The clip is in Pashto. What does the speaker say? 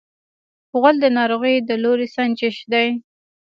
غول د ناروغۍ د لوری سنجش دی.